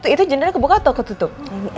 itu general kebuka atau ketutup